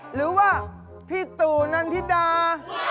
หรือว่าพี่ตู่นันทิดา